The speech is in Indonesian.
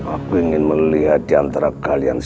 aku ingin melihat di antara kalian semua